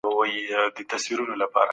په دغو کیسو کي د مینې یادونه سوې ده.